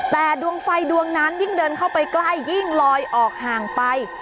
แต่ดวงไฟดวงนั้นยิ่งเดินเข้าไปใกล้ยิ่งลอยออกห่างไป